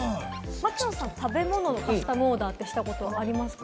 食べ物のカスタムオーダーしたことありますか？